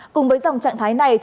cùng với dòng trạng thái này